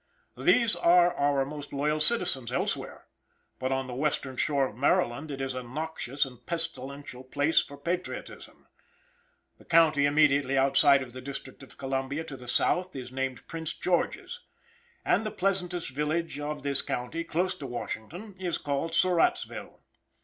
These are our most loyal citizens elsewhere, but the western shore of Maryland is a noxious and pestilential place for patriotism. The county immediately outside of the District of Columbia, to the south, is named Prince Gorgia's and the pleasantest village of this county, close to Washington, is called Surrattsville.